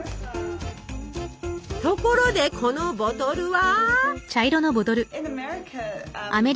ところでこのボトルは？